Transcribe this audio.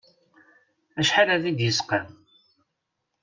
Acḥal ad yi-id-yesqam.